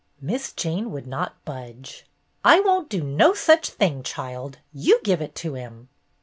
Miss Jane would not budge. "I won't do no such thing, child. You give it to him."